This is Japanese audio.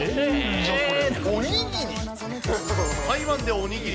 おにぎり？